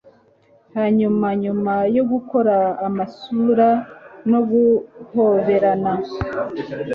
hanyuma nyuma yo gukora amasura no guhoberana